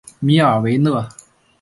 米尔维勒。